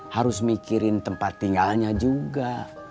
harus mikirin tempat tinggalnya juga